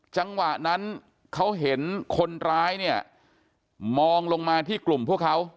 จังหวะนั้นเขาเห็นคนร้ายเนี่ยมองลงมาที่กลุ่มพวกเขา